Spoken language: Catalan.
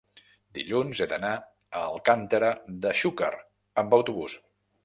Dilluns he d'anar a Alcàntera de Xúquer amb autobús.